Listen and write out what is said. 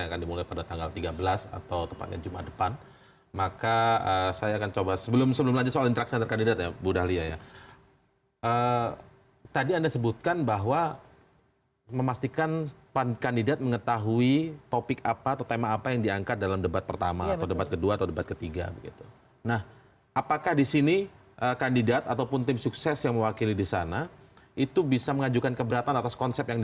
yang akan dimulai pada tanggal tiga belas atau kemungkinan juma depan